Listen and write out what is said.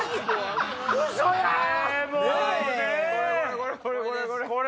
これこれこれ。